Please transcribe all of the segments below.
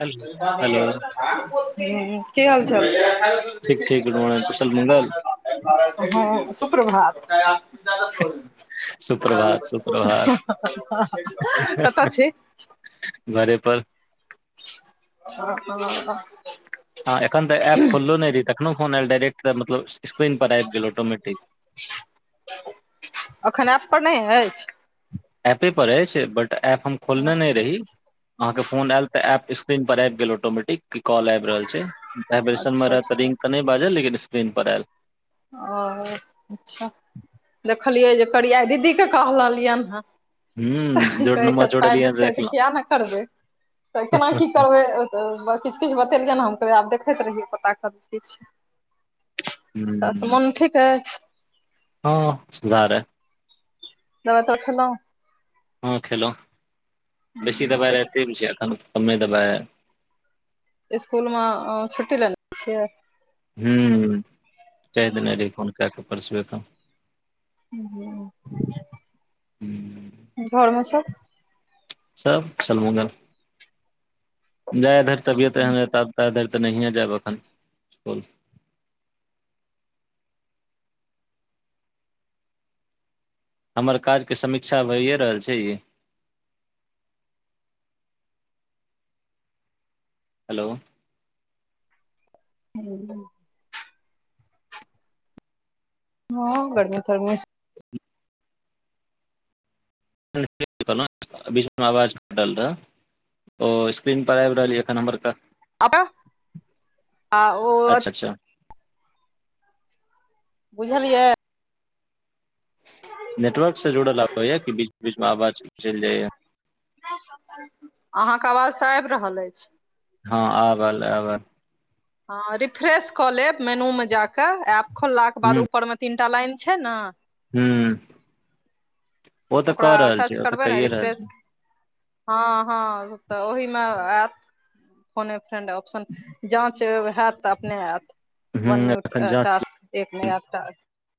चल हुँ कि हालचाल छै कुशल मुंगल हँ सुप्रभात सुप्रभात सुप्रभात कतऽ छी घरे पर हँ हँ हँ एखन तऽ एप खोललो नय रही तखनो फोन एल डायरेक्ट तऽ मतलब स्क्रीन पर आइब गेल ऑटोमेटिक एखन ऐप पर नय अछि एपे पर अछि बट एप हम खोलने नय रही अहाँकेँ फोन आयल तऽ एप्प स्क्रीनप पर आबि गेल ऑटोमेटिक कि कॉल आबि रहल छै अच्छा वाइब्रेशन मे रहत अच्छा त रिंग तऽ नहि बाजल लेकिन स्क्रीन पर आयल ओ अच्छा देखलियै जे करिया दीदीके कह रहलियनि हेँ तऽ हूँ की जोड़ कहै नम्बर छथि पाइ जोड़लियै तऽ देतै से देखलहुँ किया ने करबै तऽ केना की करबै तऽ किछु किछु बतेलियै ने हम आब देखैत रहियै पता क किछु हू मोन ठीके अछि हँ सुधारै है दबाइ तऽ खेलह हँ खेलहु बेसी दबाइ रते बे छै एखन कमे दबाय इसकुल मे छुट्टी लेने छियै हूँ कहि देने रहहि फोन कए कऽ परसबे क हूँ घरमे सब सब कुसल मंगल जाय इधर तबियत तऽ देरि तऽ नहिए जायब अखन इसकुल हमर काजके समीक्षा भइए रहल छै ई हेलो [unintelligible] हँ गर्मी तर्मी [unintelligible] [unintelligible] बीच आवाज कटल रहऽ ओ स्क्रीन पर आबि रहलै एखन हमार क आबा आ ओ अच्छा अच्छा बुझलियै नेटवर्क से जुड़ल आबैया कि बीच बीच मे आवाज चलि जाइए अहाँके आवाज तऽ आबि रहल अछि हँ आब अल आब अ हँ रिफ्रेश कऽ लेब मेनूमे जा कऽ एऐप्प खोललाके बाद ऊपरमे तीन टा लाइन छै ने ह ओ तऽ ओकरा क रहल छी ओ तऽ कहिए रहल छी। हँ-हँ तऽ ओहि मे आयत। फोने फ्रेंड ऑप्शन जाँच हत तऽ अपने आयत। वन हूँ न्यू एखन जाँच टास्क एक नया।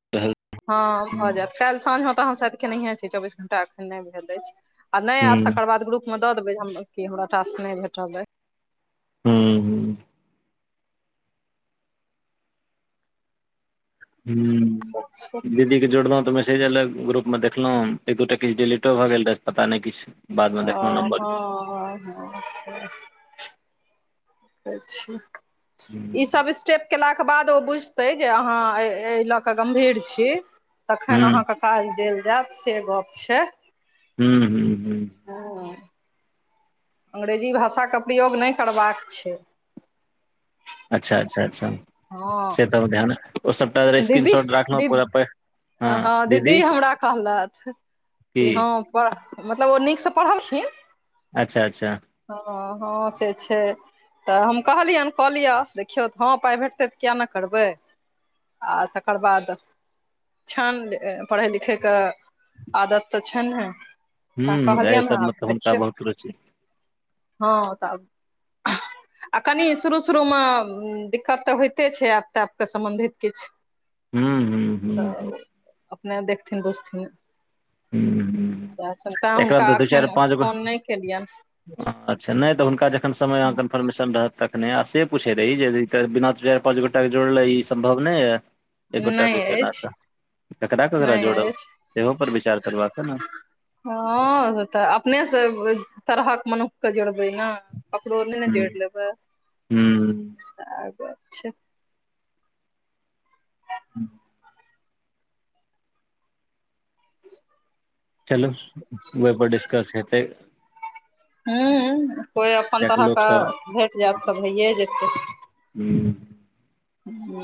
चलि रहल हँ भऽ हूँ जायत काल्हि साँझ तऽ अहाँ सायद के नहिये छी चौबीस घंटा एखन नहि भेल अछि आ नहि आयत हूँ तकर बाद ग्रुप। मे दऽ देबै हम कि हमरा टास्क नय भेटल ए हूँ हूँ हूँ [unintelligible] दीदी के जोड़लहुँ तऽ मैसेज अलग ग्रुप मे देखलहुँ एक दूटा किछु डिलीटो भऽ गेल रह पता नहि किछु बादमे ओ देखलहुँ नम्बर ह अच्छा ई हूँ सब स्टेप केला के बाद ओ बुझते जे अहाँ ए ल के गंभीर छी तखन हूँ अहाँके। फाज देल जायत से गप छै। हूँ-हूँ-हूँ। हँ। अंग्रेजी भाषा केँ प्रयोग नय करबाक छै अच्छऽ - अच्छऽ, अच्छऽ से तऽ ध्यान ओ सभटा स्क्रीन शॉट राखलहुँ दीदी-दीदी पूरा पढ़ि हँ दीदी हमरा कहलथ की कि हँ प - मतलब ओ नीकसँ पढ़लखिन अच्छऽ-अच्छऽ हँ-हँ से छै तऽ हम कहलियैन कऽ लिअ देखियौ तऽ हँ पाइ भेटतै तऽ किया नय करबै आ तकर बाद छान पढ़ै लिखै कऽ आदत तऽ छन्हे तऽ हूँ एहि कहलियैन हँ आब सभमे तऽ हुनका देखियौ बहुत रुचि हँ तऽ आब आ कनि शुरू शुरू मऽ दिक्कत तऽ होइते छै आप तऽ आप कऽ सम्बन्धित किछ हूँ-हूँ-हूँ तऽ अपने देखथिन बुसथिन हूँ हूँ सैह छैन तैँ एकरा हुनका अखैन फोन नय केलियैन अच्छऽ नय तऽ हुनका जखन समय आ कन्फर्मेशन रहत तखने आ से पूछे रही जे बिना दू चाइर पाँच गोटा केँ जोड़ले ई सम्भव नय यऽ एकगोटा केँ नहि केला अछि सँ ककरा-ककरा नहि जोड़ब अछि सेहो पर विचार करबाक यऽ नऽ हँ से तऽ अपने से तरहक मनुख कऽ जोड़बै नऽ ककड़ो नय नऽ जोइड़ ह लेबै ह सेह गप छै हुँ [inaudible] चलू इहोपर डिस्कस हेतै हुँ कोइ अपन कियाकि तरहक लोक सब कऽ भेट जैत तऽ भइए जेतै हुँ हुँ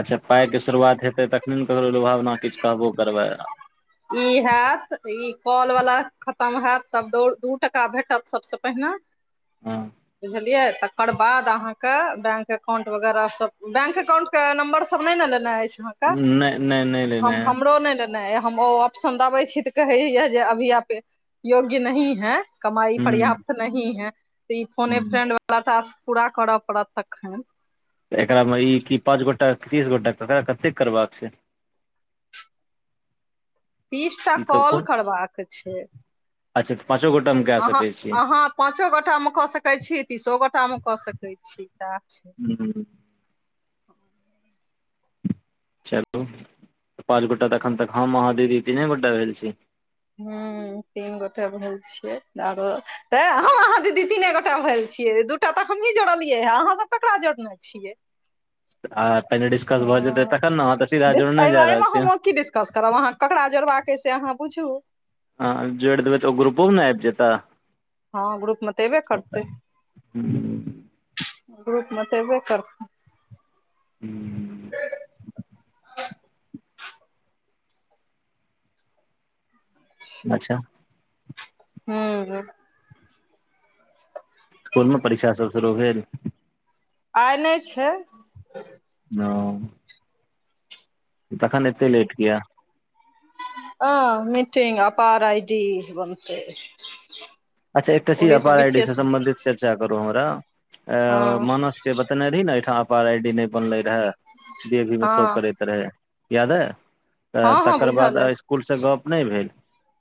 अच्छऽ पाइ केँ शुरुआत हेतै तखने नऽ ककरो लुभावना किछ कहबो करबै ई होत ई कॉल वला खतम होत तब दौड़ दू टका भेटत सबसँ पहिने हँ बुझलियै तऽ ओकर बाद अहाँ कऽ बैंक अकाउंट वगैरह सब बैंक एकाउंट कऽ नम्बर सब नय नऽ लेने अछि अहाँ नय - नय - नय हम हमरो नय ले नय हम ओ ऑप्शन दबै छी तऽ कहै यऽ जे अभी आप योग्य नही है कमाइ ह पर्याप्त नही है तऽ ई फोने ह फ्रेंड वाला टास्क पूरा करऽ पड़त तखैन तऽ एकरामे ई कि पाँच गोटा तीस गोटा ककरा कतेक करबाक छै तीस टा कॉल करबाक छै अच्छऽ पाँचो गोटा मे अहाँ अहाँ पाँचो गोटा मऽ कऽ सकै छी तीसो गोटा मऽ कऽ सकै छी काज हुँ चलू पाँच गोटा तऽ एखन तक हम अहाँ दीदी तीने गोटा भेल छी हुँ तीन गोटाे भेल छिये आरो तऽ हम अहाँ दीदी तीने गोटा भेल छियै दूटा तऽ हमही जोड़लियै हे अहाँसभ ककरा जोड़ने अ छियै आ पहिने डिस्कस भऽ जेतै हँ तखन नऽ अहाँ तऽ सीधा जोड़ने जा रहल छियै [unintelligible] अहाँकऽ ककरा जोड़बाक अय से अहाँ बुझू हँ जोड़ि देबै तऽ ओ ग्रुपो मे न आयब जेता हँ ग्रुपमे तऽ एबे करतै ग्रुपमे तऽ एबे कर हूं अच्छा हूं स्कूल मे परीक्षा सब शुरू भेल आय नय छैय नम तऽखन एते लेट किये आ मीटिंग अपार आइ डी बनतै अच्छा एकटा चीज अपार आई डी से सम्बंधित चर्चा करु हमरा अ हँ मानस के बतेने दिन एहिठाम अपार आई डी नै बनले रहेय डी ए भी में शो हँ करैत रहे याद हय अ हँ हँ तकर बाद बुझल अइ आ स्कूल से गप नय भेल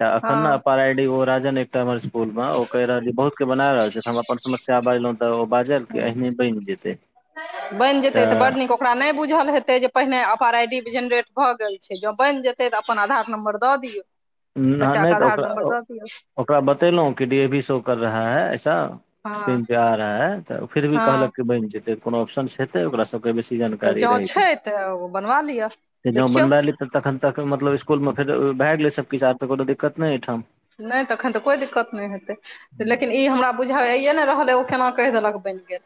त अखन ने हँ अपार आई डी ओ राजन एकटा हमर स स्कूल मे ओ कहि रहल या बहुत के बना रहल छै त हम अपन समस्या बाजलौं तऽ ओ बाजल कि अहने बनि जेतै बनि जेतै तऽ बड नीक ओकरा नहि बुझल हेतै जे पहिने अपार आइ डी जेनरेट भऽ गेल छै जँ बनि जेतै तऽ अ अप्पन आधार नम्बर दऽ दियौ नह बच्चा नय के तऽ आधार ओकरा नम्बर ओ दऽ दियौ ओकरा बतेलों की डी ए भी शो कर रहा है ऐसा हँ स्क्रीन पे आर तऽ फिर भी हँ कहलक बनि जेतै कोनो ऑप्शन छै तऽ ओकरा सब [unintelligible] बेसी तऽ जानकारी जँ रहै छै तऽ बनवा लिअ एजा देखियौ बनबै ले एलय त तखन तक मतलब इसकूलमे फेर भए गेलै सब किछ आब तऽ कोनो दिक्कत नय एयठम नैय तखन तऽ कोइ दिक्कत नैय हेयतै लेकिन ई हमरा बुझाइए नय रहलै ओ केना कहि देलक बनि गेल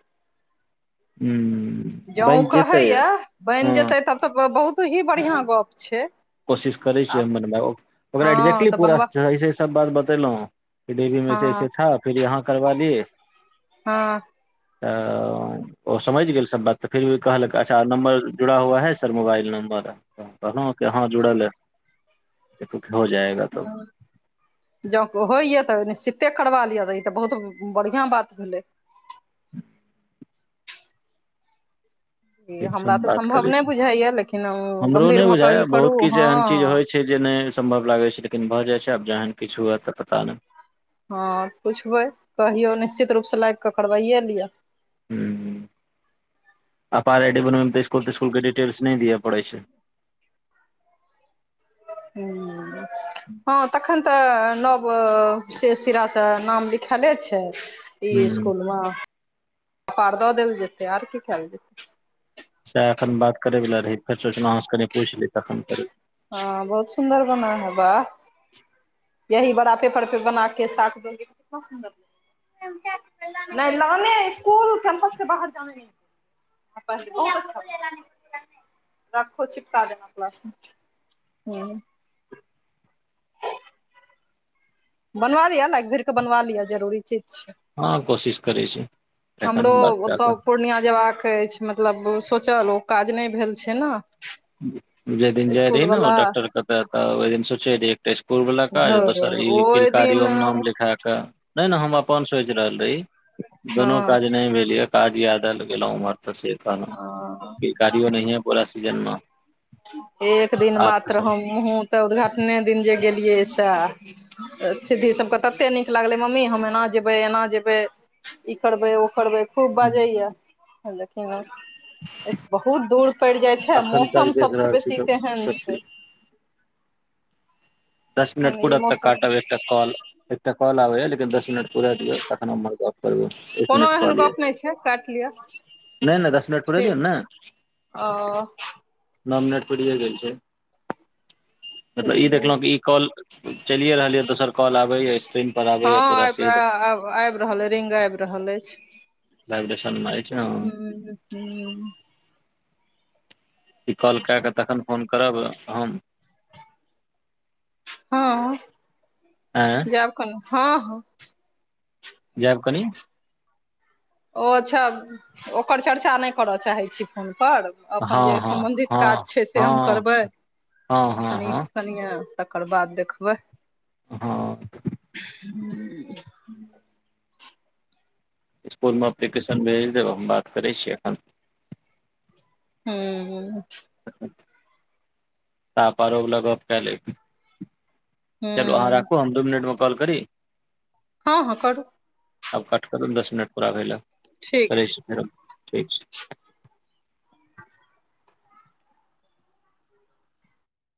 हूं जौं कहैए या बनि जेतै तब तऽ बहुत ही बढ़िआँ गप्प छै कोशिश करै छियै आब हम बनबै ओकरा हँ एक्जेक्टली तऽ पूरा बनबा स ऐसे सब बात बतेलौं हन डी ए भी मे ऐसे ऐसे हँ था फिर यहाँ करवा लिये हाॅं [unintelligible] ओ समैझ गेल सब बात तऽ फिर भी कहलक अच्छा नम्बर जुड़ा हुआ है सर मोबाइल नम्बर तऽ न के हाँ जुड़ल है एकलखन हो जाए [unintelligible] जौं कहय या तऽ निश्चिते करबा लिअ तऽ ई तऽ बहुत ब बढ़िआँ बात भेलै ई ठीक छै हमरा हम तऽ बात सम्भव करै नहि छी बुझाइए लेकिन हमरो गम्भीर नय भऽ बुझाय कऽ ई करू बहुत किछ हँ एहन चीज होइ छै जे नय सम्भव लागै छै लेकिन भऽ जाइ छै आब जहन किछु हुए तऽ पता नय हँ पुछबै कहियौ निश्चित रूपसँ लायग कऽ करबैये लिअ हूं हूं अपार आइ डी बनबैमे तऽ इसकुल तिस्कुलके डिटेल्स नै दिअ पड़ै छै ह हँ तखन तऽ नव सेे सिरासँ नाम लिखायले छै ई हूँ इसकुल मे अ आर द देल जते आर की खैल जतै से एखन बात कर वला रही फेर सोचलहुँ अहाँ से कनि पूछछि ली तखन कर हँ बहुत सुन्दर बना हैं वहा यही बड़ा पेपर पे बना के साट दोगे त कितना सुंन्दर लगे नय लाने इस्कूल कैम्पस से बाहर जाने नय [unintelligible] हूँ बनवा लिअ ने लायग भीरके बनवा लिअ जरुरी चीज छि हँ कोशिश करै छी हमरो एखन बात कए कऽ ओतय पूर्णिया जयबाक अछि मतलब सोचल ओ काज नय भेल छै ने [unintelligible] जेहि दिन जाय स्कूल रहहि ने वला डॉ्टर केत त ओहि दिन सोचे रहहि एकटा स्कुल वालला काज धौर दोसर ई ओहि दिन तिलकारियो मे नाम लिखा क नहि नहि हम अपन सोचि रहल रही दुनू हँ काज नहि भेल ये काज यादल गेलहुँ उमहर तऽ हँ गियो न है पोरा सीजन मे एक दिन आब तऽ मात्र सब हमहूँ तऽ उद्घाटने दिन जे गेलियै से सिधी सभके ततेक नीक लागलै मम्मी हम एना जेबै एना जेबै ई करबै ओ करबै खूब बाजे यिन बहुत दूर पड़ जाय छै अखन तक मौसम देख सबसे रहल छी बेसी तऽ तेहन सब चीज छै दस मिनट तखन ई पूरा तक मौसम काटाबै एकटा कॉल एकटा कॉल आबै ह लेकिन दस मिनट पूरे दिअ तन हमर बात करब एक कोनो मिनट एहन कलिय गप नहि छै काटि लिअ नय नय दस मिनट पूरे ठीक दियऔ ने ओ नओ मिनट प गेल छै मतलब ई देखलो ई कॉल चलियए रहलियै दोसर कॉल आबैएा स्क्रीन पर हँ आबैएा पूरा सीड आबि आबि रहल रिंग आबि रहल लैब्रेशन मारे छै ने ह हू ई कॉल कए कऽ तखन फोन करब हम हँ आँ जाब कोन हँ हँ जाब कनि ओ सभ ओकर चर्चा नहि करय चाहैत छी फोनपर अपन हँ जे हँ सम्बन्धित हँ काज छै से हम हँ करबै हँ हँ कनी हँ कनिए तकर बाद देखबै हँ हुँ इसकुल मे अप्लीकेशन भेज देब हम बात करै छीियै अखन हू त अपारो वाला गप काय ले चलो ह राखू आ दो मनिटमे कॉल कर हँ हँ करू आब पट करू दस मिनट पराबै ल ठीक करै छै छी ठीक छै